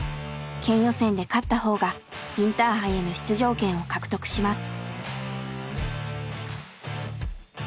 県予選で勝った方がインターハイへの出場権を獲得します。